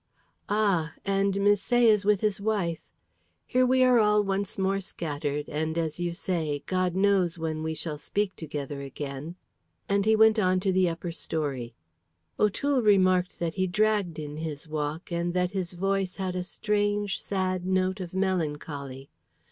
"Ah! And Misset is with his wife. Here are we all once more scattered, and, as you say, God knows when we shall speak together again;" and he went on to the upper storey. O'Toole remarked that he dragged in his walk and that his voice had a strange, sad note of melancholy.